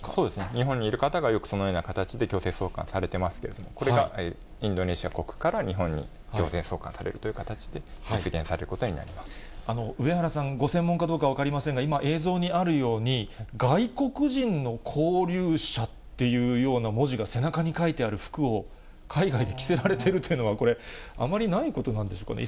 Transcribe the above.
日本にいる方がよくそのような形で、強制送還されてますけれども、これがインドネシア国から日本に強制送還される形で、送検される上原さん、ご専門かどうか分かりませんが、今、映像にあるように、外国人の勾留者っていうような文字が背中に書いてある服を、海外で着せられているのはこれ、あまりないことなんでしょうかね。